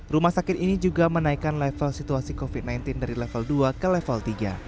rumah sakit ini juga menaikkan level situasi covid sembilan belas dari level dua ke level tiga